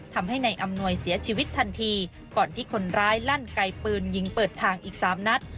ทำให้นายอำนวยเสียชีวิตทันทีก่อนที่คนร้ายลั่นไกลปืนยิงเปิดทางอีกสามนัด